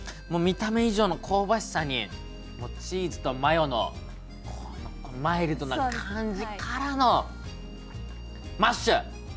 見た目以上の香ばしさにチーズとマヨのマイルドな感じからのマッシュ！